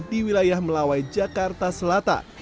di wilayah melawai jakarta selatan